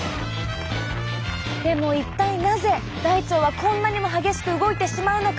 でも一体なぜ大腸はこんなにも激しく動いてしまうのか。